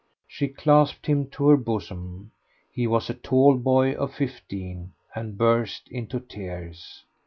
She clasped him to her bosom he was a tall boy of fifteen and burst into tears.